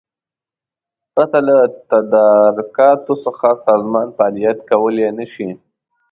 پرته له تدارکاتو څخه سازمان فعالیت کولای نشي.